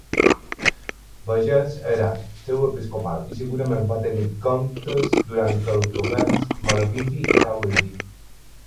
Bayeux era seu episcopal i segurament va tenir comtes durant els governs merovingi i carolingi.